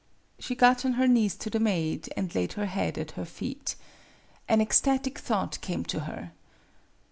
" She got on her knees to the maid, and laid her head at her feet. An ecstatic thought came to her.